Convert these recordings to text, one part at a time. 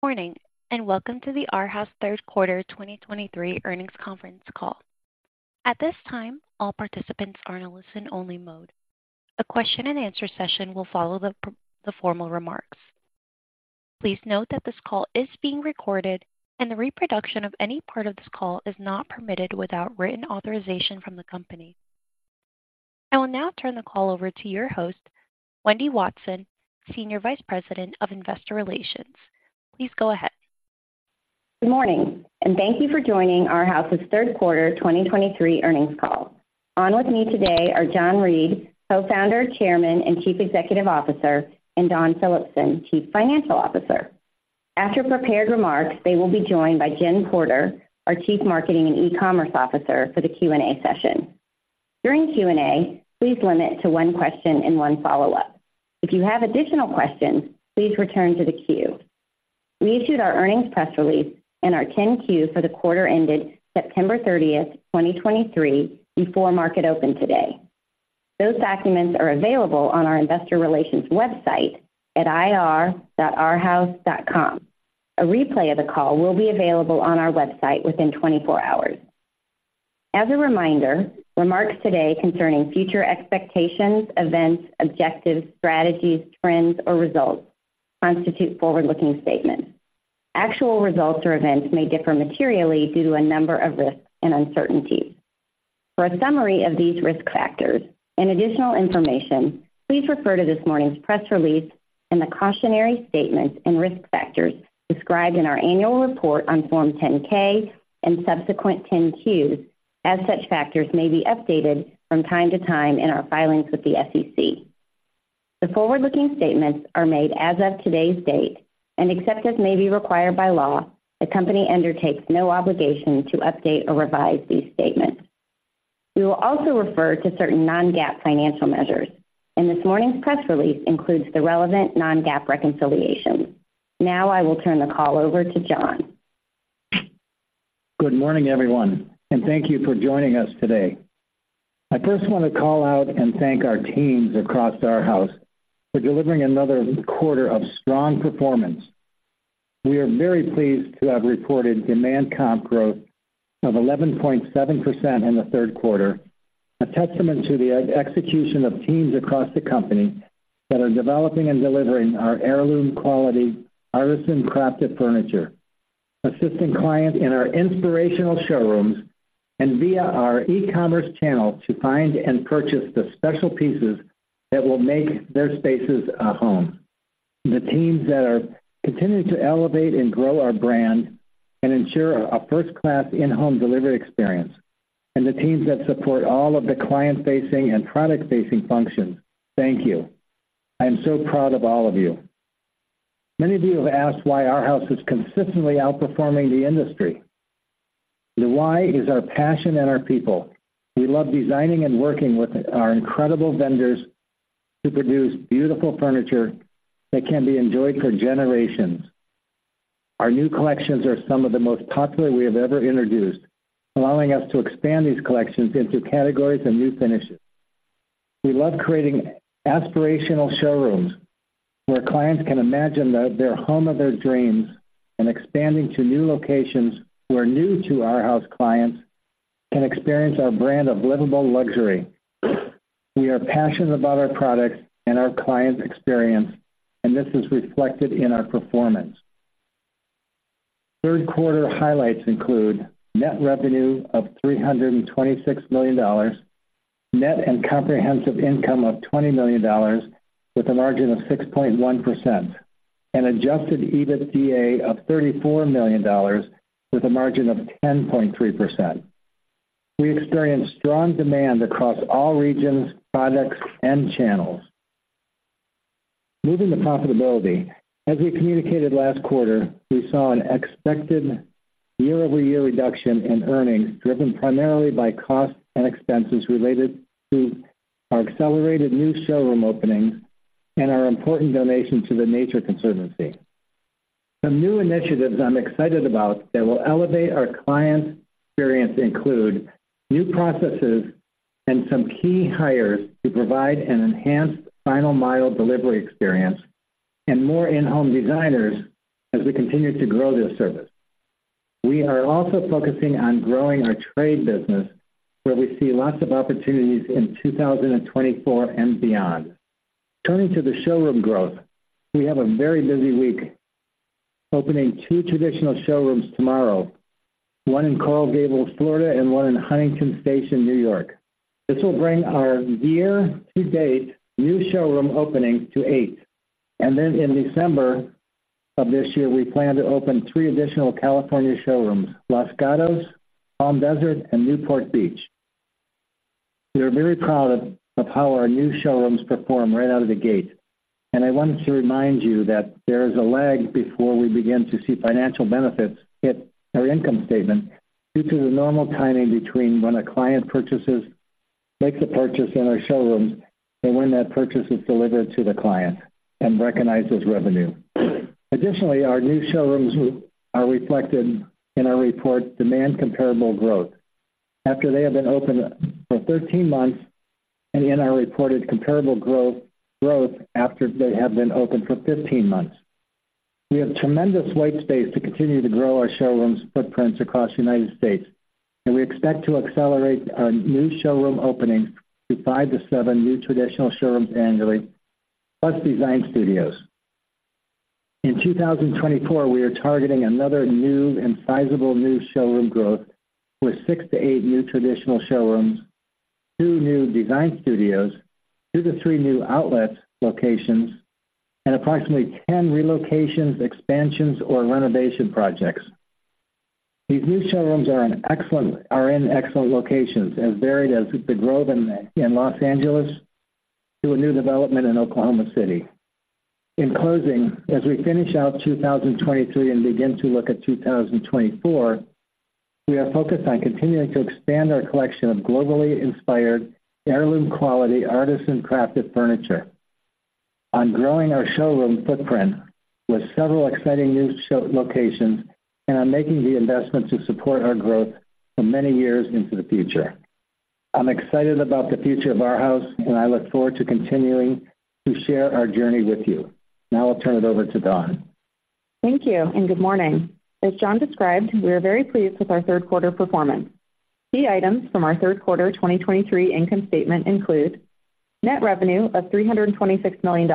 Morning, and welcome to the Arhaus third quarter 2023 earnings conference call. At this time, all participants are in a listen-only mode. A question-and-answer session will follow the formal remarks. Please note that this call is being recorded and the reproduction of any part of this call is not permitted without written authorization from the company. I will now turn the call over to your host, Wendy Watson, Senior Vice President of Investor Relations. Please go ahead. Good morning, and thank you for joining Arhaus' third quarter 2023 earnings call. On with me today are John Reed, Co-founder, Chairman, and Chief Executive Officer, and Dawn Phillipson, Chief Financial Officer. After prepared remarks, they will be joined by Jen Porter, our Chief Marketing and e-commerce Officer, for the Q&A session. During Q&A, please limit to one question and one follow-up. If you have additional questions, please return to the queue. We issued our earnings press release and our 10-Q for the quarter ended September 30, 2023, before market open today. Those documents are available on our investor relations website at ir.arhaus.com. A replay of the call will be available on our website within 24 hours. As a reminder, remarks today concerning future expectations, events, objectives, strategies, trends, or results constitute forward-looking statements. Actual results or events may differ materially due to a number of risks and uncertainties. For a summary of these risk factors and additional information, please refer to this morning's press release and the cautionary statements and risk factors described in our annual report on Form 10-K and subsequent 10-Qs, as such factors may be updated from time to time in our filings with the SEC. The forward-looking statements are made as of today's date, and except as may be required by law, the company undertakes no obligation to update or revise these statements. We will also refer to certain non-GAAP financial measures, and this morning's press release includes the relevant non-GAAP reconciliations. Now I will turn the call over to John. Good morning, everyone, and thank you for joining us today. I first want to call out and thank our teams across Arhaus for delivering another quarter of strong performance. We are very pleased to have reported demand comp growth of 11.7% in the third quarter, a testament to the execution of teams across the company that are developing and delivering our heirloom quality, artisan-crafted furniture, assisting clients in our inspirational showrooms and via our e-commerce channel to find and purchase the special pieces that will make their spaces a home. The teams that are continuing to elevate and grow our brand and ensure a first-class in-home delivery experience, and the teams that support all of the client-facing and product-facing functions, thank you. I am so proud of all of you. Many of you have asked why Arhaus is consistently outperforming the industry. The why is our passion and our people. We love designing and working with our incredible vendors to produce beautiful furniture that can be enjoyed for generations. Our new collections are some of the most popular we have ever introduced, allowing us to expand these collections into categories and new finishes. We love creating aspirational showrooms, where clients can imagine their home of their dreams, and expanding to new locations where new to Arhaus clients can experience our brand of livable luxury. We are passionate about our products and our client experience, and this is reflected in our performance. Third quarter highlights include net revenue of $326 million, net and comprehensive income of $20 million, with a margin of 6.1%, and adjusted EBITDA of $34 million, with a margin of 10.3%. We experienced strong demand across all regions, products, and channels. Moving to profitability, as we communicated last quarter, we saw an expected year-over-year reduction in earnings, driven primarily by costs and expenses related to our accelerated new showroom openings and our important donation to The Nature Conservancy. Some new initiatives I'm excited about that will elevate our client experience include new processes and some key hires to provide an enhanced final mile delivery experience and more in-home designers as we continue to grow this service. We are also focusing on growing our trade business, where we see lots of opportunities in 2024 and beyond. Turning to the showroom growth, we have a very busy week opening two traditional showrooms tomorrow, one in Coral Gables, Florida, and one in Huntington Station, New York. This will bring our year-to-date new showroom openings to eight. In December of this year, we plan to open three additional California showrooms, Los Gatos, Palm Desert, and Newport Beach. We are very proud of how our new showrooms perform right out of the gate, and I wanted to remind you that there is a lag before we begin to see financial benefits hit our income statement due to the normal timing between when a client makes a purchase in our showrooms and when that purchase is delivered to the client and recognizes revenue. Additionally, our new showrooms are reflected in our reported demand comparable growth after they have been open for 13 months and in reported comparable growth after they have been open for 15 months. We have tremendous white space to continue to grow our showrooms' footprints across the United States, and we expect to accelerate our new showroom openings to five to seven new traditional showrooms annually, plus design studios. In 2024, we are targeting another new and sizable new showroom growth with six to eight new traditional showrooms, two new design studios, two to three new outlet locations, and approximately 10 relocations, expansions, or renovation projects. These new showrooms are in excellent locations, as varied as The Grove in Los Angeles to a new development in Oklahoma City. In closing, as we finish out 2023 and begin to look at 2024, we are focused on continuing to expand our collection of globally inspired, heirloom-quality, artisan-crafted furniture, on growing our showroom footprint with several exciting new show locations, and on making the investment to support our growth for many years into the future. I'm excited about the future of Arhaus, and I look forward to continuing to share our journey with you. Now I'll turn it over to Dawn. Thank you, and good morning. As John described, we are very pleased with our third quarter 2023 performance. Key items from our third quarter 2023 income statement include: net revenue of $326 million,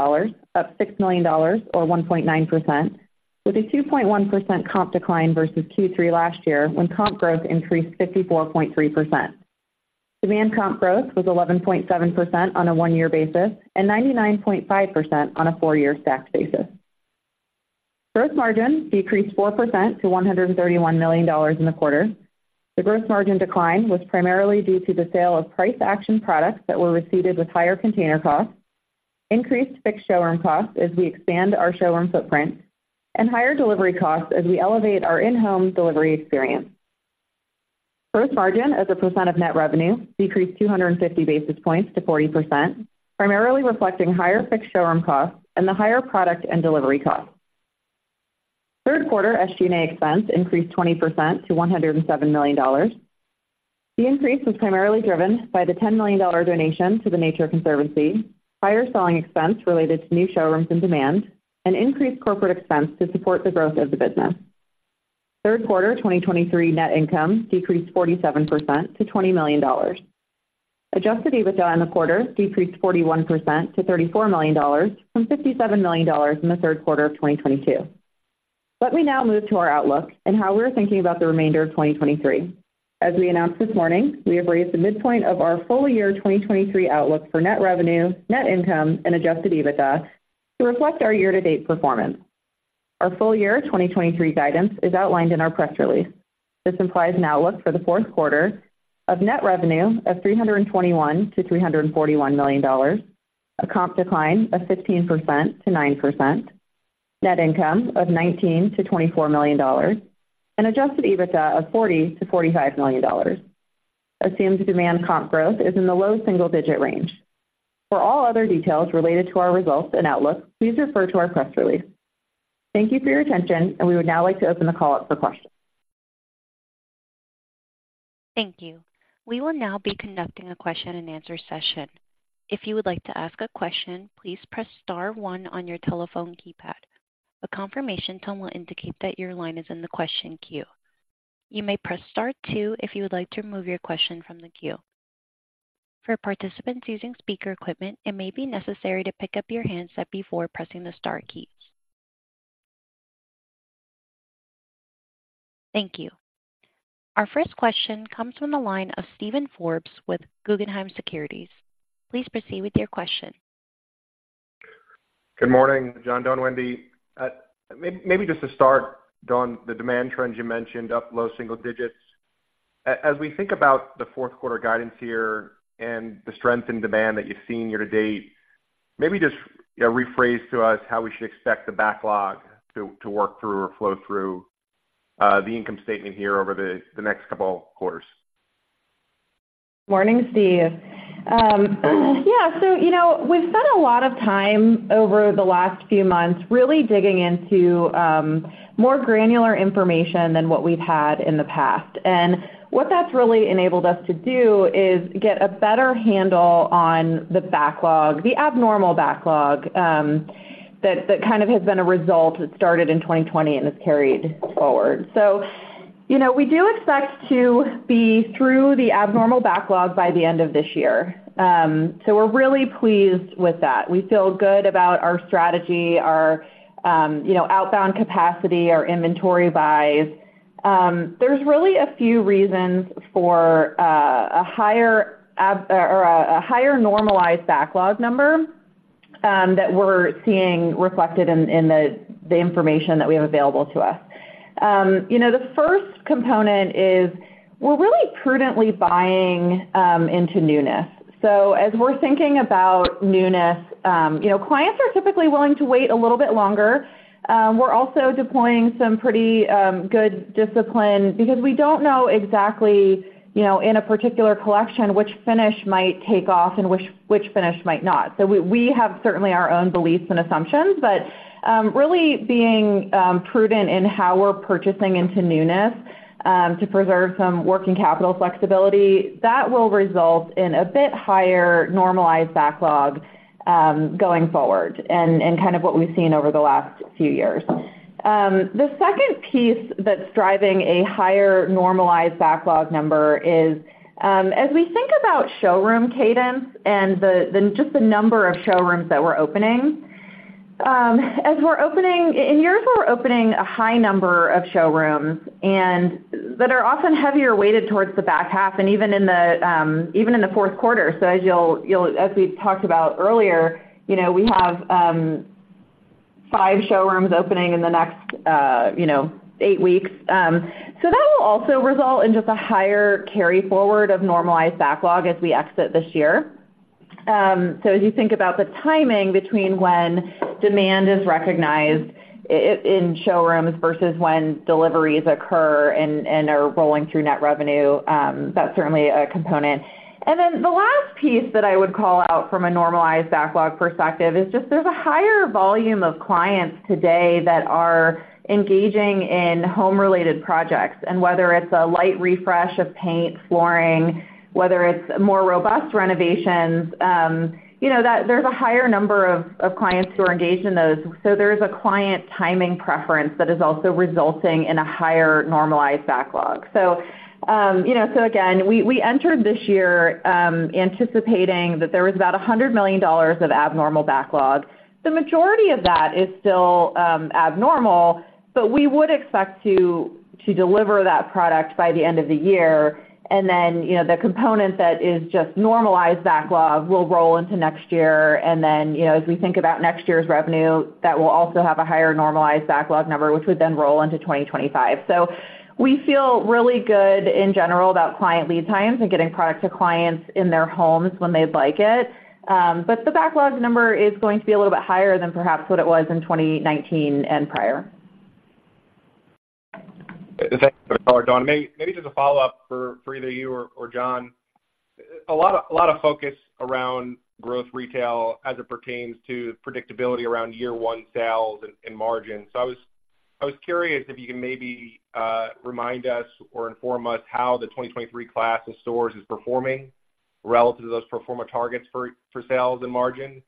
up $6 million, or 1.9%, with a 2.1% comp decline versus Q3 last year, when comp growth increased 54.3%. Demand comp growth was 11.7% on a one-year basis, and 99.5% on a four-year stacked basis. Gross margin decreased 4% to $131 million in the quarter. The gross margin decline was primarily due to the sale of price action products that were receipted with higher container costs, increased fixed showroom costs as we expand our showroom footprint, and higher delivery costs as we elevate our in-home delivery experience. Gross margin, as a percent of net revenue, decreased 250 basis points to 40%, primarily reflecting higher fixed showroom costs and the higher product and delivery costs. Third quarter SG&A expense increased 20% to $107 million. The increase was primarily driven by the $10 million donation to The Nature Conservancy, higher selling expense related to new showrooms and demand, and increased corporate expense to support the growth of the business. Third quarter 2023 net income decreased 47% to $20 million. Adjusted EBITDA in the quarter decreased 41% to $34 million from $57 million in the third quarter of 2022. Let me now move to our outlook and how we're thinking about the remainder of 2023. As we announced this morning, we have raised the midpoint of our full year 2023 outlook for net revenue, net income, and adjusted EBITDA to reflect our year-to-date performance. Our full year 2023 guidance is outlined in our press release. This implies an outlook for the fourth quarter of net revenue of $321 million-$341 million, a comp decline of 15%-9%, net income of $19 million-$24 million, and adjusted EBITDA of $40 million-$45 million. Assumes demand comp growth is in the low single digit range. For all other details related to our results and outlook, please refer to our press release. Thank you for your attention, and we would now like to open the call up for questions. Thank you. We will now be conducting a question-and-answer session. If you would like to ask a question, please press star one on your telephone keypad. A confirmation tone will indicate that your line is in the question queue. You may press star two if you would like to remove your question from the queue. For participants using speaker equipment, it may be necessary to pick up your handset before pressing the star keys. Thank you. Our first question comes from the line of Steven Forbes with Guggenheim Securities. Please proceed with your question. Good morning, John, Dawn, Wendy. Maybe just to start, Dawn, the demand trends you mentioned, up low single digits. As we think about the fourth quarter guidance here and the strength in demand that you've seen year to date, maybe just, you know, rephrase to us how we should expect the backlog to work through or flow through the income statement here over the next couple quarters. Morning, Steve. Yeah, so, you know, we've spent a lot of time over the last few months really digging into more granular information than what we've had in the past. And what that's really enabled us to do is get a better handle on the backlog, the abnormal backlog, that kind of has been a result that started in 2020 and has carried forward. So, you know, we do expect to be through the abnormal backlog by the end of this year. So we're really pleased with that. We feel good about our strategy, our, you know, outbound capacity, our inventory buys. There's really a few reasons for a higher or a higher normalized backlog number that we're seeing reflected in the information that we have available to us. You know, the first component is we're really prudently buying into newness. So as we're thinking about newness, you know, clients are typically willing to wait a little bit longer. We're also deploying some pretty good discipline because we don't know exactly, you know, in a particular collection, which finish might take off and which, which finish might not. So we, we have certainly our own beliefs and assumptions, but really being prudent in how we're purchasing into newness to preserve some working capital flexibility, that will result in a bit higher normalized backlog going forward and, and kind of what we've seen over the last few years. The second piece that's driving a higher normalized backlog number is, as we think about showroom cadence and just the number of showrooms that we're opening, as we're opening in years where we're opening a high number of showrooms and that are often heavier weighted towards the back half and even in the fourth quarter. So as we've talked about earlier, you know, we have five showrooms opening in the next, you know, eight weeks. So that will also result in just a higher carryforward of normalized backlog as we exit this year. So as you think about the timing between when demand is recognized in showrooms versus when deliveries occur and are rolling through net revenue, that's certainly a component. And then the last piece that I would call out from a normalized backlog perspective is just there's a higher volume of clients today that are engaging in home-related projects, and whether it's a light refresh of paint, flooring, whether it's more robust renovations, you know, that there's a higher number of clients who are engaged in those. So there's a client timing preference that is also resulting in a higher normalized backlog. So, you know, so again, we entered this year, anticipating that there was about $100 million of abnormal backlog. The majority of that is still abnormal, but we would expect to deliver that product by the end of the year. And then, you know, the component that is just normalized backlog will roll into next year. And then, you know, as we think about next year's revenue, that will also have a higher normalized backlog number, which would then roll into 2025. So we feel really good in general about client lead times and getting product to clients in their homes when they'd like it. But the backlog number is going to be a little bit higher than perhaps what it was in 2019 and prior. Thanks, Dawn. Maybe just a follow-up for either you or John. A lot of focus around growth retail as it pertains to predictability around year one sales and margins. So I was curious if you can maybe remind us or inform us how the 2023 class of stores is performing relative to those pro forma targets for sales and margins,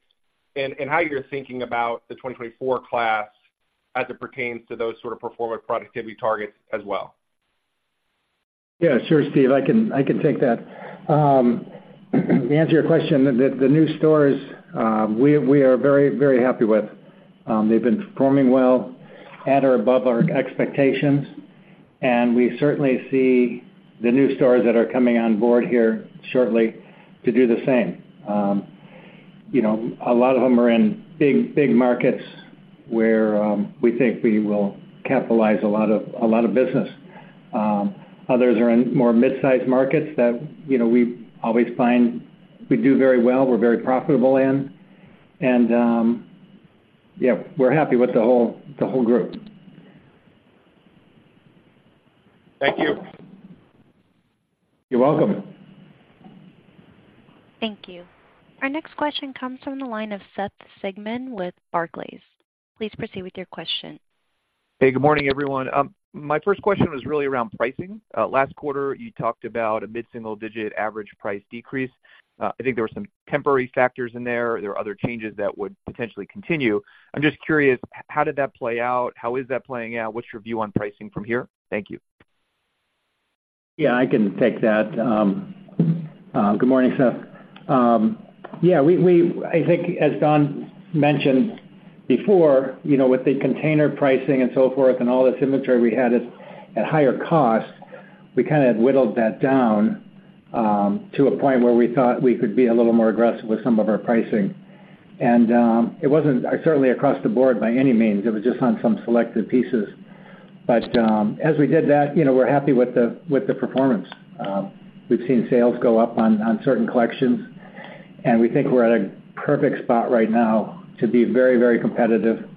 and how you're thinking about the 2024 class as it pertains to those sort of pro forma productivity targets as well. Yeah, sure, Steve, I can, I can take that. To answer your question, the new stores, we are very, very happy with. They've been performing well, at or above our expectations, and we certainly see the new stores that are coming on board here shortly to do the same. You know, a lot of them are in big, big markets where we think we will capitalize a lot of, a lot of business. Others are in more mid-sized markets that, you know, we always find we do very well, we're very profitable in, and yeah, we're happy with the whole, the whole group. Thank you. You're welcome. Thank you. Our next question comes from the line of Seth Sigman with Barclays. Please proceed with your question. Hey, good morning, everyone. My first question was really around pricing. Last quarter, you talked about a mid-single-digit average price decrease. I think there were some temporary factors in there. There were other changes that would potentially continue. I'm just curious, how did that play out? How is that playing out? What's your view on pricing from here? Thank you. Yeah, I can take that. Good morning, Seth. Yeah, we—I think as Dawn mentioned before, you know, with the container pricing and so forth and all this inventory we had at higher cost, we kind of whittled that down to a point where we thought we could be a little more aggressive with some of our pricing. It wasn't certainly across the board by any means. It was just on some selected pieces. But as we did that, you know, we're happy with the performance. We've seen sales go up on certain collections, and we think we're at a perfect spot right now to be very, very competitive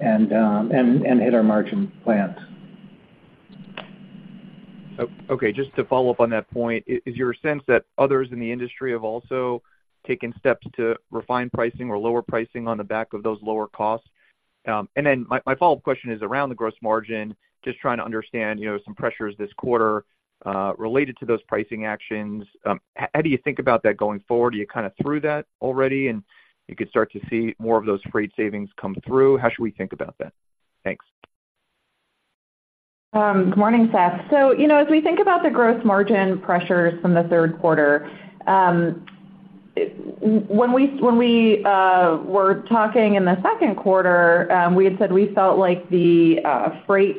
and hit our margin plans. Okay, just to follow up on that point, is your sense that others in the industry have also taken steps to refine pricing or lower pricing on the back of those lower costs? And then my follow-up question is around the gross margin. Just trying to understand, you know, some pressures this quarter related to those pricing actions. How do you think about that going forward? Are you kind of through that already, and you could start to see more of those freight savings come through? How should we think about that? Thanks. Good morning, Seth.So, you know, as we think about the gross margin pressures from the third quarter, when we were talking in the second quarter, we had said we felt like the freight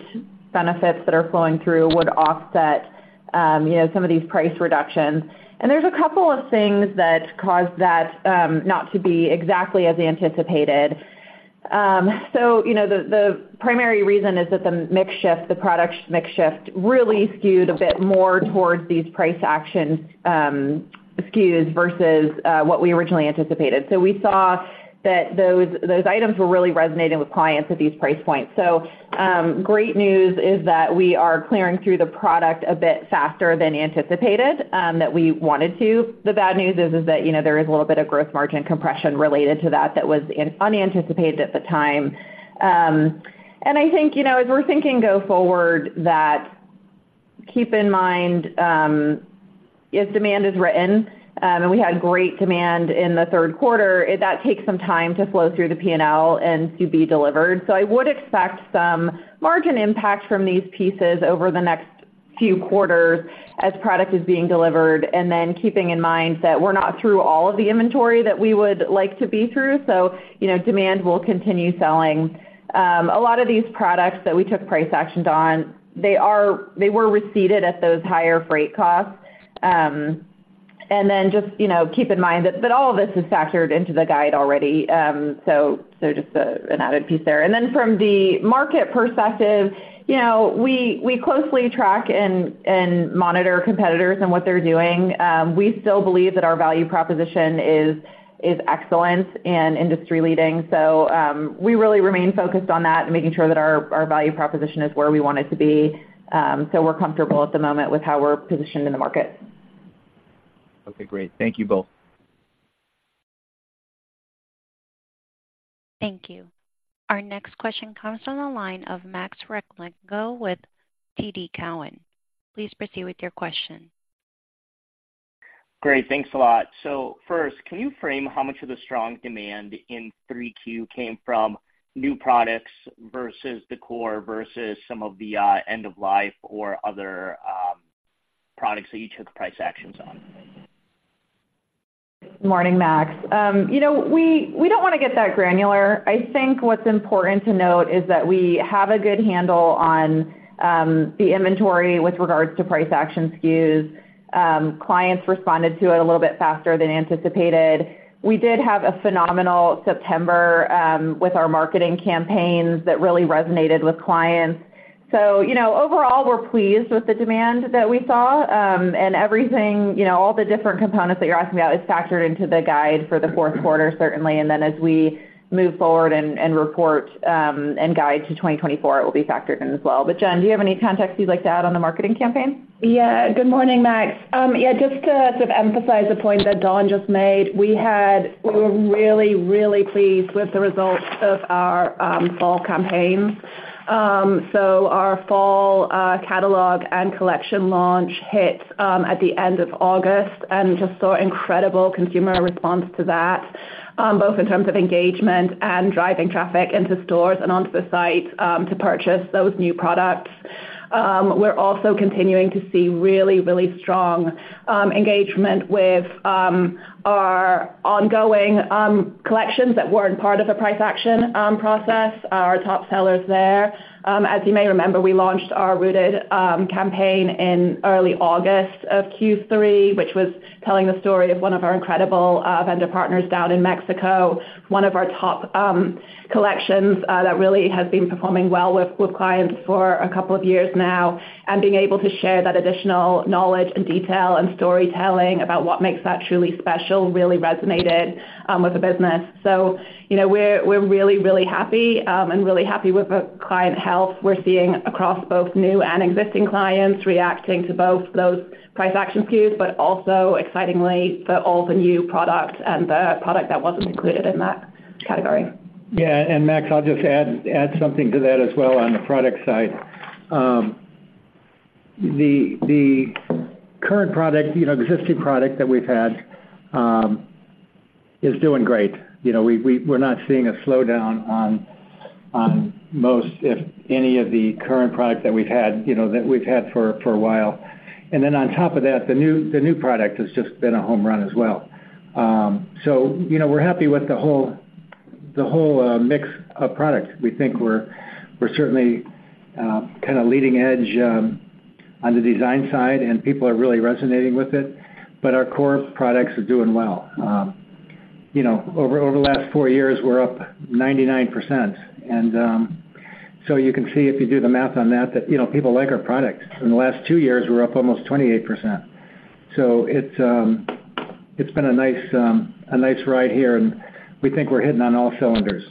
benefits that are flowing through would offset, you know, some of these price reductions. And there's a couple of things that caused that not to be exactly as anticipated. So, you know, the primary reason is that the mix shift, the product mix shift, really skewed a bit more towards these price action SKUs versus what we originally anticipated. So we saw that those items were really resonating with clients at these price points. So, great news is that we are clearing through the product a bit faster than anticipated that we wanted to. The bad news is that, you know, there is a little bit of gross margin compression related to that that was unanticipated at the time. And I think, you know, as we're thinking going forward, keep in mind, if demand is softening, and we had great demand in the third quarter, that takes some time to flow through the P&L and to be delivered. So I would expect some margin impact from these pieces over the next few quarters as product is being delivered, and then keeping in mind that we're not through all of the inventory that we would like to be through. So, you know, demand will continue selling. A lot of these products that we took price actions on, they were received at those higher freight costs. And then just, you know, keep in mind that all of this is factored into the guide already. So just an added piece there. And then from the market perspective, you know, we closely track and monitor competitors and what they're doing. We still believe that our value proposition is excellent and industry leading. So we really remain focused on that and making sure that our value proposition is where we want it to be. So we're comfortable at the moment with how we're positioned in the market. Okay, great. Thank you both. Thank you. Our next question comes from the line of Max Rakhlenko with TD Cowen. Please proceed with your question. Great. Thanks a lot. So first, can you frame how much of the strong demand in 3Q came from new products versus the core, versus some of the end of life or other products that you took price actions on? Morning, Max. You know, we don't wanna get that granular. I think what's important to note is that we have a good handle on the inventory with regards to price action SKUs. Clients responded to it a little bit faster than anticipated. We did have a phenomenal September with our marketing campaigns that really resonated with clients. So, you know, overall, we're pleased with the demand that we saw. And everything, you know, all the different components that you're asking about is factored into the guide for the fourth quarter, certainly. And then as we move forward and report and guide to 2024, it will be factored in as well. But, Jen, do you have any context you'd like to add on the marketing campaign? Yeah. Good morning, Max. Yeah, just to emphasize the point that Dawn just made, we were really, really pleased with the results of our fall campaign. So our fall catalog and collection launch hit at the end of August, and just saw incredible consumer response to that, both in terms of engagement and driving traffic into stores and onto the site to purchase those new products. We're also continuing to see really, really strong engagement with our ongoing collections that weren't part of the price action process, our top sellers there. As you may remember, we launched our Rooted campaign in early August of Q3, which was telling the story of one of our incredible vendor partners down in Mexico. One of our top collections that really has been performing well with clients for a couple of years now, and being able to share that additional knowledge and detail and storytelling about what makes that truly special, really resonated with the business. So, you know, we're really, really happy and really happy with the client health we're seeing across both new and existing clients, reacting to both those price action SKUs, but also excitingly, for all the new products and the product that wasn't included in that category. Yeah, and Max, I'll just add something to that as well on the product side. The current product, you know, existing product that we've had, is doing great. You know, we're not seeing a slowdown on most, if any, of the current product that we've had, you know, that we've had for a while. And then on top of that, the new product has just been a home run as well. So, you know, we're happy with the whole mix of products. We think we're certainly kind of leading edge on the design side, and people are really resonating with it, but our core products are doing well. You know, over the last four years, we're up 99%. So you can see if you do the math on that, you know, people like our products. In the last two years, we're up almost 28%. So it's been a nice ride here, and we think we're hitting on all cylinders.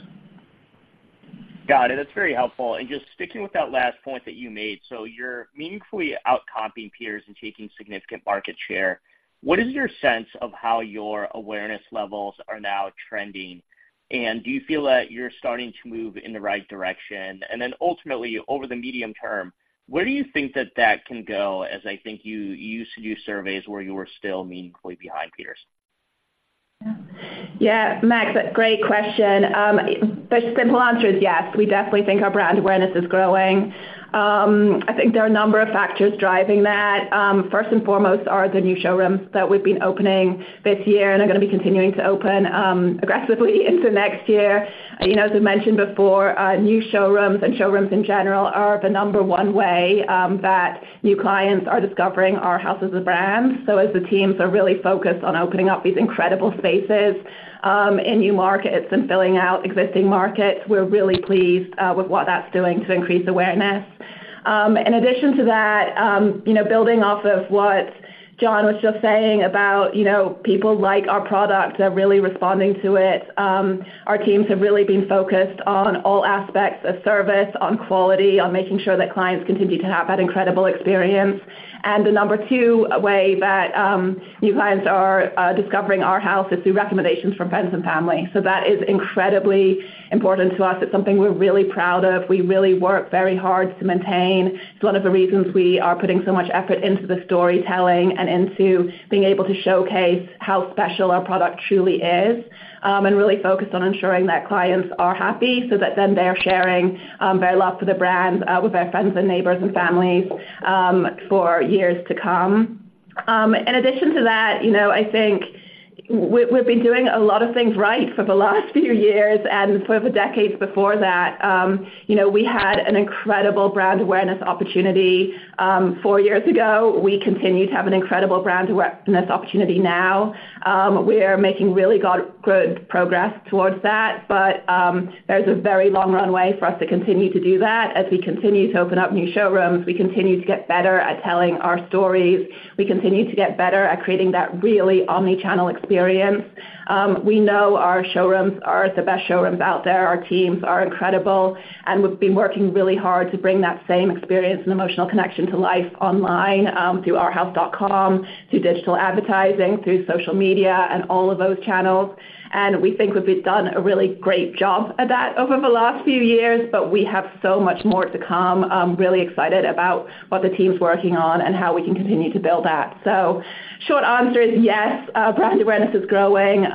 Got it. That's very helpful. Just sticking with that last point that you made, so you're meaningfully outcompeting peers and taking significant market share. What is your sense of how your awareness levels are now trending? Do you feel that you're starting to move in the right direction? Then ultimately, over the medium term, where do you think that that can go, as I think you used to do surveys where you were still meaningfully behind peers? Yeah, Max, great question. The simple answer is yes, we definitely think our brand awareness is growing. I think there are a number of factors driving that. First and foremost are the new showrooms that we've been opening this year and are gonna be continuing to open aggressively into next year. You know, as I mentioned before, new showrooms and showrooms in general are the number one way that new clients are discovering Arhaus as a brand. So as the teams are really focused on opening up these incredible spaces in new markets and filling out existing markets, we're really pleased with what that's doing to increase awareness.... In addition to that, you know, building off of what John was just saying about, you know, people like our product, they're really responding to it. Our teams have really been focused on all aspects of service, on quality, on making sure that clients continue to have that incredible experience. And the number two way that new clients are discovering our house is through recommendations from friends and family. So that is incredibly important to us. It's something we're really proud of. We really work very hard to maintain. It's one of the reasons we are putting so much effort into the storytelling and into being able to showcase how special our product truly is, and really focused on ensuring that clients are happy, so that then they're sharing, their love for the brand, with their friends and neighbors and families, for years to come. In addition to that, you know, I think we've been doing a lot of things right for the last few years, and for the decades before that. You know, we had an incredible brand awareness opportunity, four years ago. We continue to have an incredible brand awareness opportunity now. We are making really good, good progress towards that, but there's a very long runway for us to continue to do that as we continue to open up new showrooms, we continue to get better at telling our stories, we continue to get better at creating that really omni-channel experience. We know our showrooms are the best showrooms out there. Our teams are incredible, and we've been working really hard to bring that same experience and emotional connection to life online, through Arhaus.com, through digital advertising, through social media and all of those channels. We think we've done a really great job at that over the last few years, but we have so much more to come. I'm really excited about what the team's working on and how we can continue to build that. Short answer is, yes, brand awareness is growing,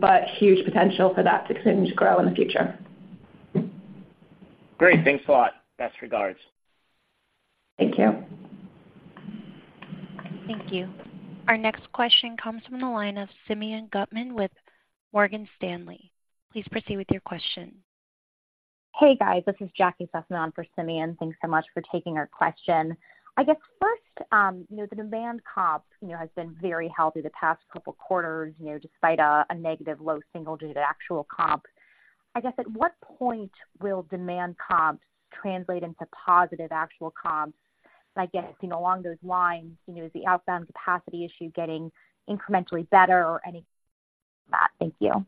but huge potential for that to continue to grow in the future. Great. Thanks a lot. Best regards. Thank you. Thank you. Our next question comes from the line of Simeon Gutman with Morgan Stanley. Please proceed with your question. Hey, guys, this is Jackie Sussman on for Simeon. Thanks so much for taking our question. I guess first, you know, the demand comp, you know, has been very healthy the past couple quarters, you know, despite a negative low single digit actual comp. I guess, at what point will demand comps translate into positive actual comps? I guess, you know, along those lines, you know, is the outbound capacity issue getting incrementally better or any that? Thank you.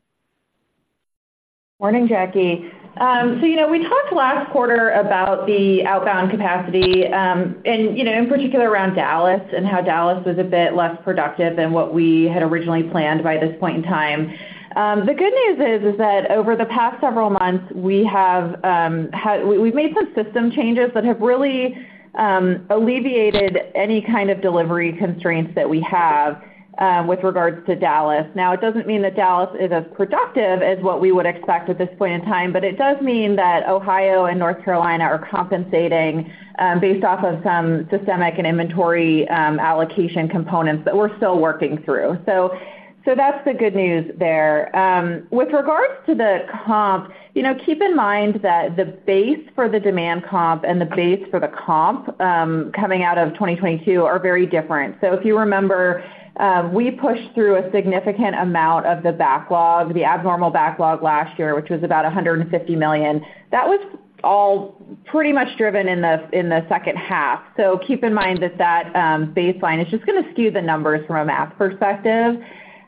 Morning, Jackie. So you know, we talked last quarter about the outbound capacity, and, you know, in particular around Dallas and how Dallas was a bit less productive than what we had originally planned by this point in time. The good news is that over the past several months, we've made some system changes that have really alleviated any kind of delivery constraints that we have with regards to Dallas. Now, it doesn't mean that Dallas is as productive as what we would expect at this point in time, but it does mean that Ohio and North Carolina are compensating based off of some systemic and inventory allocation components that we're still working through. So that's the good news there. With regards to the comp, you know, keep in mind that the base for the demand comp and the base for the comp coming out of 2022 are very different. So if you remember, we pushed through a significant amount of the backlog, the abnormal backlog last year, which was about $150 million. That was all pretty much driven in the second half. So keep in mind that that baseline is just gonna skew the numbers from a math perspective.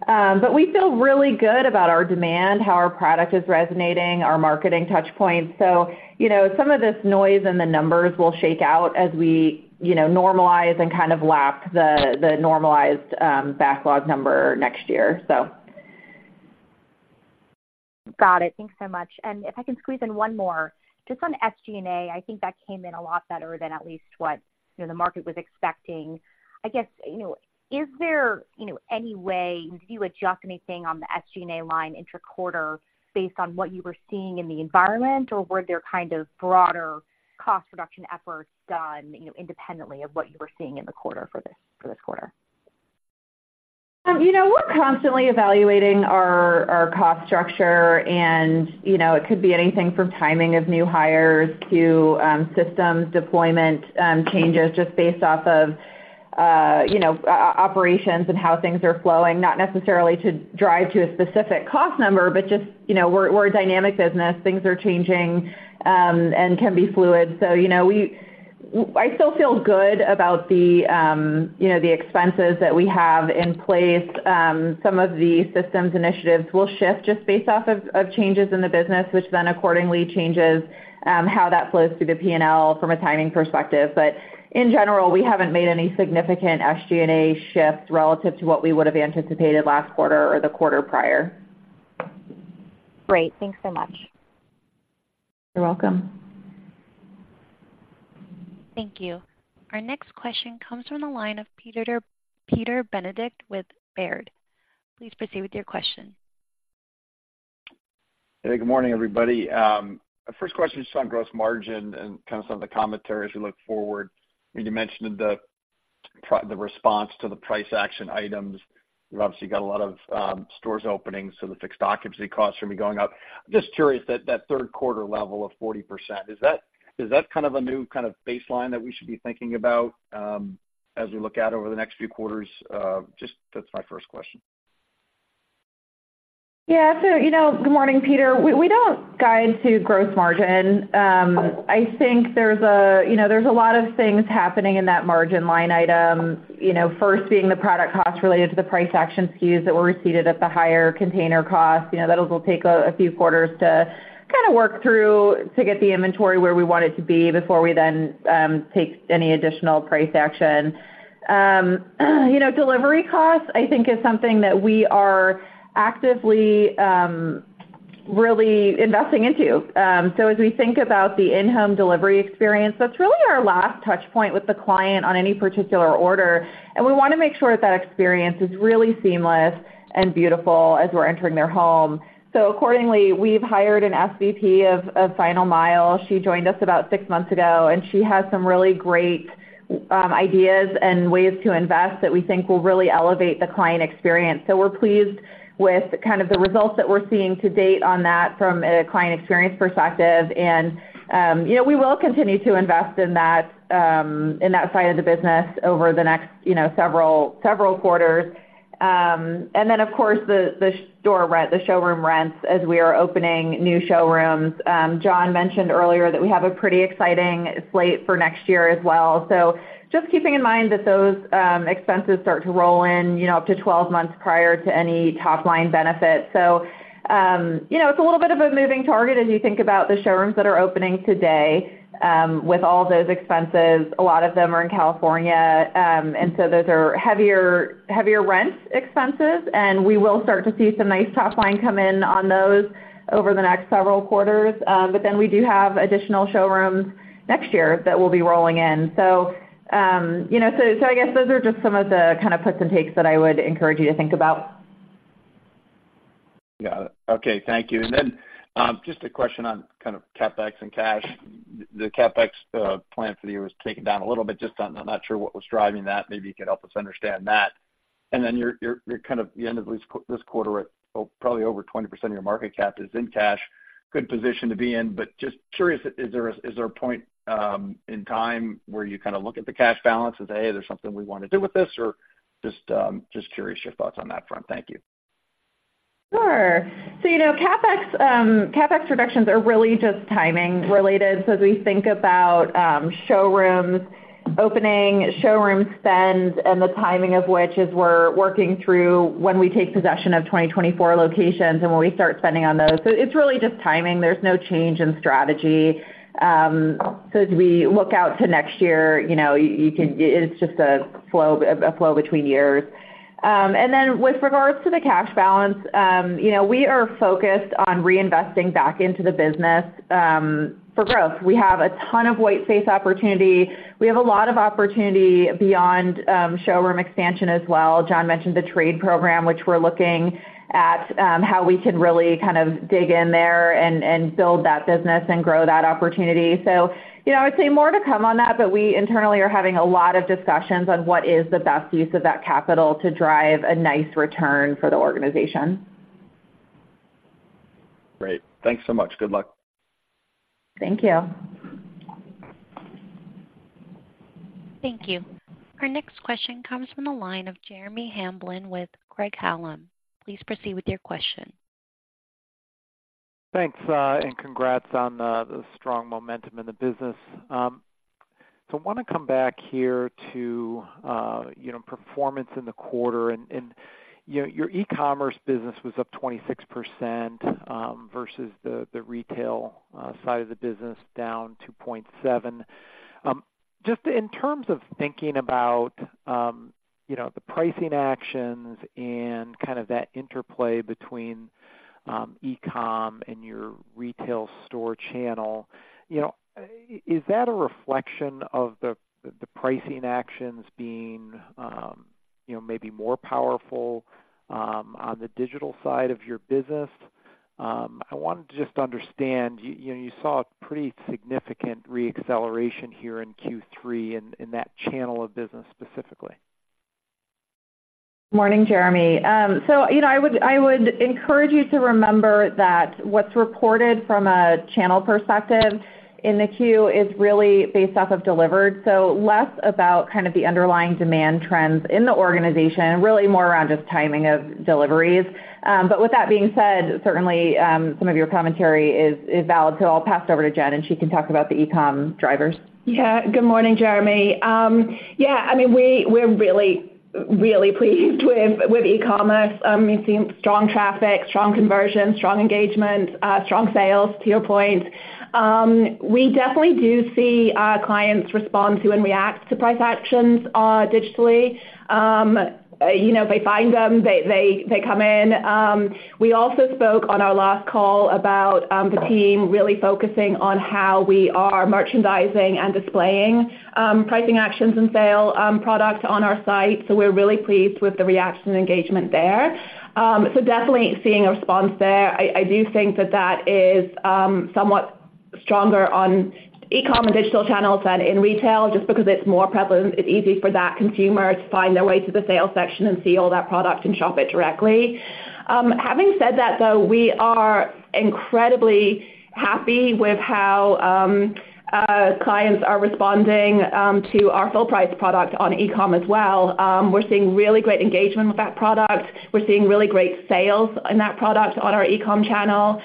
But we feel really good about our demand, how our product is resonating, our marketing touch points. So, you know, some of this noise in the numbers will shake out as we, you know, normalize and kind of lap the normalized backlog number next year, so. Got it. Thanks so much. And if I can squeeze in one more, just on SG&A, I think that came in a lot better than at least what, you know, the market was expecting. I guess, you know, is there, you know, any way, did you adjust anything on the SG&A line intra-quarter based on what you were seeing in the environment? Or were there kind of broader cost reduction efforts done, you know, independently of what you were seeing in the quarter for this, for this quarter? You know, we're constantly evaluating our cost structure, and, you know, it could be anything from timing of new hires to systems deployment, changes just based off of, you know, operations and how things are flowing. Not necessarily to drive to a specific cost number, but just, you know, we're a dynamic business. Things are changing, and can be fluid. So, you know, I still feel good about the, you know, the expenses that we have in place. Some of the systems initiatives will shift just based off of changes in the business, which then accordingly changes, how that flows through the P&L from a timing perspective. But in general, we haven't made any significant SG&A shift relative to what we would have anticipated last quarter or the quarter prior. Great. Thanks so much. You're welcome. Thank you. Our next question comes from the line of Peter Benedict with Baird. Please proceed with your question. Hey, good morning, everybody. First question is on gross margin and kind of some of the commentary as we look forward. You mentioned the response to the price action items. You've obviously got a lot of stores openings, so the fixed occupancy costs are going to be going up. Just curious, that third quarter level of 40%, is that kind of a new kind of baseline that we should be thinking about as we look out over the next few quarters? Just that's my first question. ... Yeah, so you know, good morning, Peter. We don't guide to gross margin. I think there's, you know, a lot of things happening in that margin line item. You know, first being the product costs related to the price action SKUs that were received at the higher container costs. You know, that'll take a few quarters to kinda work through to get the inventory where we want it to be before we then take any additional price action. You know, delivery costs, I think, is something that we are actively really investing into. So as we think about the in-home delivery experience, that's really our last touch point with the client on any particular order, and we wanna make sure that that experience is really seamless and beautiful as we're entering their home. So accordingly, we've hired an SVP of Final Mile. She joined us about six months ago, and she has some really great ideas and ways to invest that we think will really elevate the client experience. So we're pleased with kind of the results that we're seeing to date on that from a client experience perspective. And you know, we will continue to invest in that in that side of the business over the next you know, several quarters. And then, of course, the store rent, the showroom rents as we are opening new showrooms. John mentioned earlier that we have a pretty exciting slate for next year as well. So just keeping in mind that those expenses start to roll in you know, up to 12 months prior to any top-line benefit. So, you know, it's a little bit of a moving target as you think about the showrooms that are opening today, with all those expenses. A lot of them are in California, and so those are heavier, heavier rent expenses, and we will start to see some nice top line come in on those over the next several quarters. But then we do have additional showrooms next year that we'll be rolling in. So, you know, so, so I guess those are just some of the kind of puts and takes that I would encourage you to think about. Got it. Okay, thank you. And then, just a question on kind of CapEx and cash. The CapEx plan for the year was taken down a little bit. Just I'm not sure what was driving that. Maybe you could help us understand that. And then you're, you're, you're kind of at the end of this quarter at, probably over 20% of your market cap is in cash. Good position to be in, but just curious, is there a, is there a point, in time where you kind of look at the cash balance and say, "Hey, there's something we wanna do with this?" Or just, just curious your thoughts on that front. Thank you. Sure. So, you know, CapEx, CapEx reductions are really just timing related. So as we think about showrooms, opening showrooms spends and the timing of which, as we're working through when we take possession of 2024 locations and when we start spending on those. So it's really just timing. There's no change in strategy. So as we look out to next year, you know, you, you can—it's just a flow, a flow between years. And then with regards to the cash balance, you know, we are focused on reinvesting back into the business for growth. We have a ton of white space opportunity. We have a lot of opportunity beyond showroom expansion as well. John mentioned the trade program, which we're looking at, how we can really kind of dig in there and build that business and grow that opportunity. So, you know, I'd say more to come on that, but we internally are having a lot of discussions on what is the best use of that capital to drive a nice return for the organization. Great. Thanks so much. Good luck. Thank you. Thank you. Our next question comes from the line of Jeremy Hamblin with Craig-Hallum. Please proceed with your question. Thanks, and congrats on the strong momentum in the business. So I wanna come back here to, you know, performance in the quarter, and, you know, your e-commerce business was up 26%, versus the retail side of the business, down 2.7. Just in terms of thinking about, you know, the pricing actions and kind of that interplay between, e-com and your retail store channel, you know, is that a reflection of the pricing actions being, you know, maybe more powerful, on the digital side of your business? I wanted to just understand, you know, you saw a pretty significant re-acceleration here in Q3 in that channel of business, specifically. Morning, Jeremy. So, you know, I would, I would encourage you to remember that what's reported from a channel perspective in the Q is really based off of delivered, so less about kind of the underlying demand trends in the organization, and really more around just timing of deliveries. But with that being said, certainly, some of your commentary is, is valid. So I'll pass it over to Jen, and she can talk about the e-com drivers. Yeah. Good morning, Jeremy. Yeah, I mean, we're really, really pleased with e-commerce. We've seen strong traffic, strong conversion, strong engagement, strong sales, to your point. We definitely do see our clients respond to and react to price actions digitally. You know, they find them, they come in. We also spoke on our last call about the team really focusing on how we are merchandising and displaying pricing actions and sale products on our site. So we're really pleased with the reaction and engagement there. So definitely seeing a response there. I do think that is somewhat stronger on e-com and digital channels than in retail, just because it's more prevalent. It's easy for that consumer to find their way to the sales section and see all that product and shop it directly. Having said that, though, we are incredibly happy with how clients are responding to our full price product on e-com as well. We're seeing really great engagement with that product. We're seeing really great sales in that product on our e-com channel.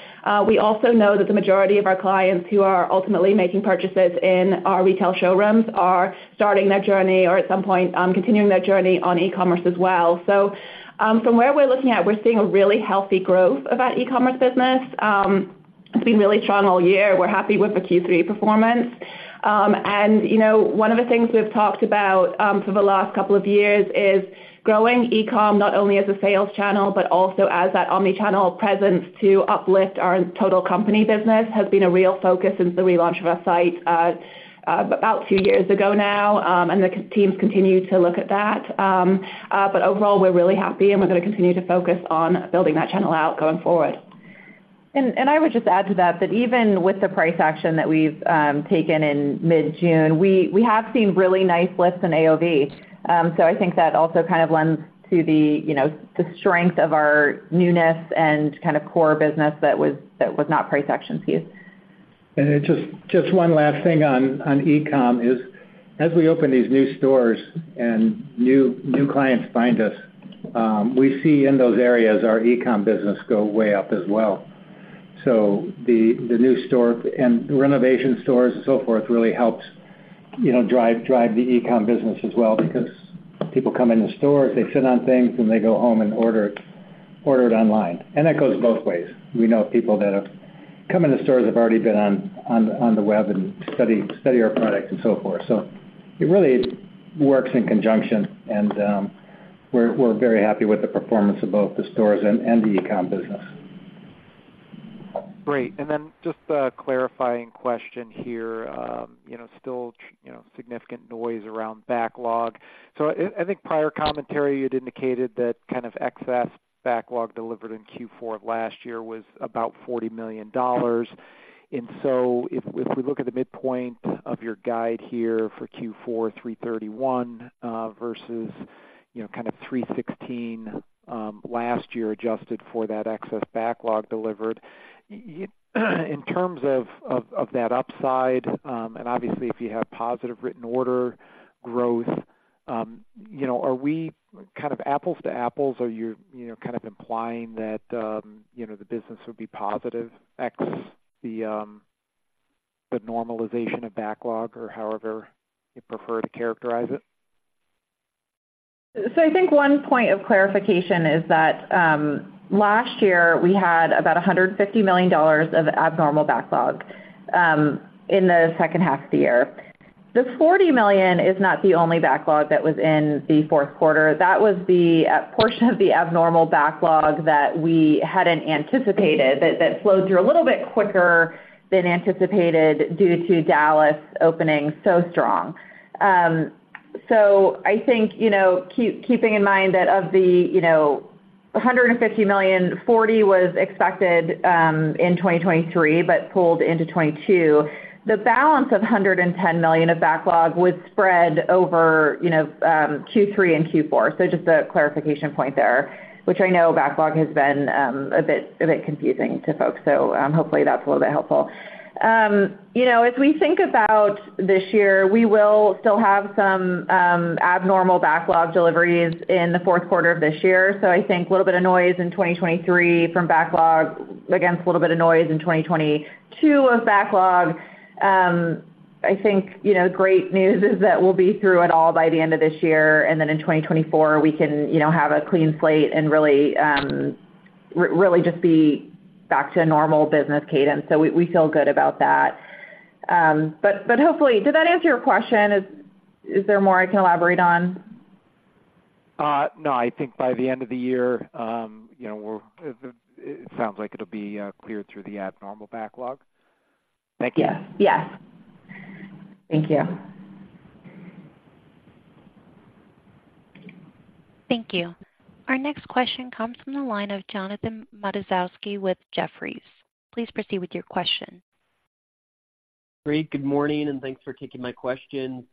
We also know that the majority of our clients who are ultimately making purchases in our retail showrooms are starting their journey, or at some point, continuing their journey on e-commerce as well. So, from where we're looking at, we're seeing a really healthy growth of that e-commerce business. It's been really strong all year. We're happy with the Q3 performance. You know, one of the things we've talked about for the last couple of years is growing e-com not only as a sales channel, but also as that omni-channel presence to uplift our total company business has been a real focus since the relaunch of our site about two years ago now. The teams continue to look at that. Overall, we're really happy, and we're going to continue to focus on building that channel out going forward. I would just add to that, that even with the price action that we've taken in mid-June, we have seen really nice lifts in AOV. So I think that also kind of lends to the, you know, the strength of our newness and kind of core business that was not price actioned piece. Just one last thing on e-com is, as we open these new stores and new clients find us, we see in those areas, our e-com business go way up as well. So the new store and renovation stores and so forth, really helps, you know, drive the e-com business as well, because people come into the stores, they sit on things, and they go home and order it online. And that goes both ways. We know people that have come in the stores have already been on the web and study our products and so forth. So it really works in conjunction, and we're very happy with the performance of both the stores and the e-com business. Great. And then just a clarifying question here. You know, still, you know, significant noise around backlog. So I think prior commentary, you'd indicated that kind of excess backlog delivered in Q4 of last year was about $40 million. And so if we look at the midpoint of your guide here for Q4, $331 million, versus, you know, kind of $316 million last year, adjusted for that excess backlog delivered, in terms of that upside, and obviously, if you have positive written order growth, you know, are we kind of apples to apples? Are you, you know, kind of implying that, you know, the business would be positive, ex the normalization of backlog or however you prefer to characterize it? So I think one point of clarification is that, last year, we had about $150 million of abnormal backlog in the second half of the year. The $40 million is not the only backlog that was in the fourth quarter. That was the portion of the abnormal backlog that we hadn't anticipated, that flowed through a little bit quicker than anticipated due to Dallas opening so strong. So I think, you know, keeping in mind that of the, you know, $150 million, 40 was expected in 2023, but pulled into 22. The balance of $110 million of backlog was spread over, you know, Q3 and Q4. So just a clarification point there, which I know backlog has been a bit confusing to folks, so hopefully that's a little bit helpful. You know, as we think about this year, we will still have some abnormal backlog deliveries in the fourth quarter of this year. So I think a little bit of noise in 2023 from backlog, against a little bit of noise in 2022 of backlog. I think, you know, great news is that we'll be through it all by the end of this year, and then in 2024, we can, you know, have a clean slate and really really just be back to normal business cadence. So we feel good about that. But hopefully... Did that answer your question? Is there more I can elaborate on? No. I think by the end of the year, you know, we're. It sounds like it'll be cleared through the abnormal backlog. Thank you. Yes. Yes. Thank you. Thank you. Our next question comes from the line of Jonathan Matuszewski with Jefferies. Please proceed with your question. Great, good morning, and thanks for taking my question.